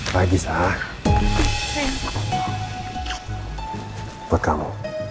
lagi saat untuk kamu